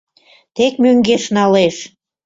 Тек мӧҥгеш налеш».